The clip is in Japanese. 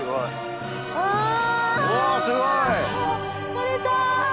取れた！